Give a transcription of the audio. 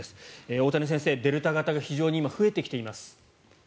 大谷先生、デルタ型が今非常に増えてきています。